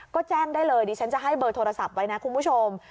ก็แจ้งได้เลยดิฉันจะให้เบอร์โทรศัพท์ไว้นะคุณผู้ชม